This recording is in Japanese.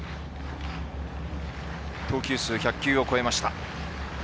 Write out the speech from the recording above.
投球数１００球を超えました。